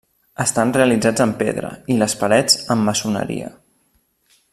Estan realitzats en pedra i les parets amb maçoneria.